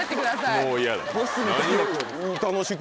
もう嫌だ。